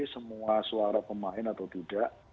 jadi semua suara pemain atau tidak